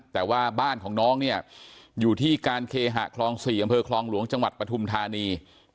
แต่ว่าบ้านของน้องเนี่ยอยู่ที่การเคหะคลอง๔อำเภอคลองหลวงจังหวัดปฐุมธานี